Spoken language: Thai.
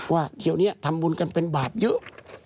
ว่าเดี๋ยวนี้ทำบุญกันเป็นบาปเยอะ